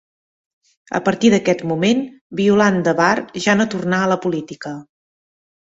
A partir d'aquest moment, Violant de Bar ja no tornà a la política.